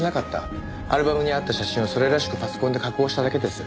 アルバムにあった写真をそれらしくパソコンで加工しただけです。